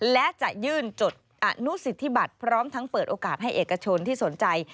และจะยื่นจดอนุสิทธิบัตรพร้อมทั้งเปิดโอกาสให้เอกชนที่สนใจ